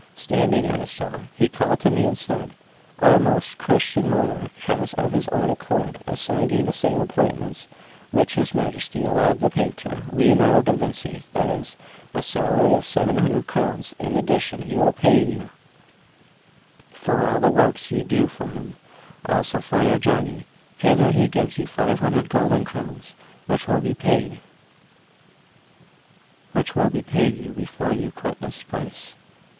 Standing at his door, he called to me and said: "Our most Christian monarch has of his own accord assigned you the same appointments which his Majesty allowed the painter Lionardo da Vinci, that is, a salary of seven hundred crowns; in addition, he will pay you for all the works you do for him; also for your journey hither he gives you five hundred golden crowns, which will be paid you before you quit this place."